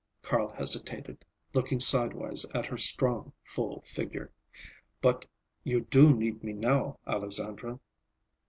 Carl hesitated, looking sidewise at her strong, full figure. "But you do need me now, Alexandra?"